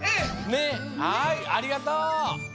ねっはいありがとう！